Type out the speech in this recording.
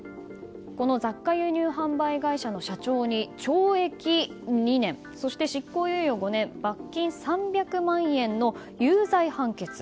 この雑貨輸入販売会社の社長に懲役２年、執行猶予５年罰金３００万円の有罪判決。